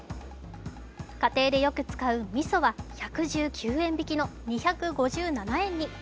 家庭でよく使うみそは１１９円引きの２５７円に。